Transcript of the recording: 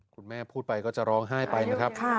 คุณแม่พูดไปก็จะร้องไห้ไปนะครับ